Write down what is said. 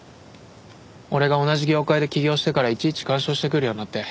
俺が同じ業界で起業してからいちいち干渉してくるようになって。